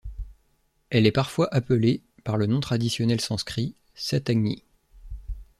Elle est parfois appelée par le nom traditionnel sanskrit Sataghni.